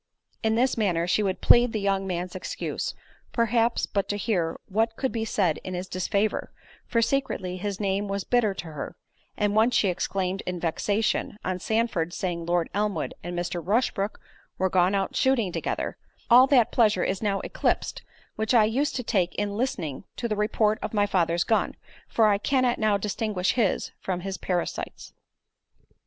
In this manner she would plead the young man's excuse—perhaps but to hear what could be said in his disfavour, for secretly his name was bitter to her—and once she exclaimed in vexation, on Sandford's saying Lord Elmwood and Mr. Rushbrook were gone out shooting together, "All that pleasure is now eclipsed which I used to take in listening to the report of my father's gun, for I cannot now distinguish his, from his parasite's."